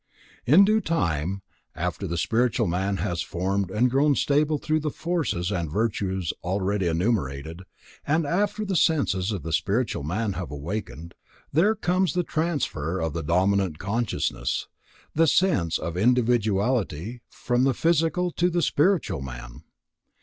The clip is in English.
In due time, after the spiritual man has been formed and grown stable through the forces and virtues already enumerated, and after the senses of the spiritual man have awaked, there comes the transfer of the dominant consciousness, the sense of individuality, from the physical to the spiritual man.